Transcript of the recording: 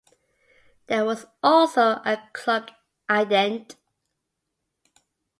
There was also a clock ident.